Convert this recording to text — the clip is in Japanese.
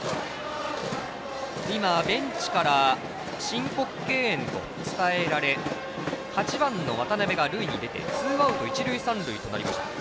今、ベンチから申告敬遠と伝えられ８番の渡辺が塁に出てツーアウト一塁三塁となりました。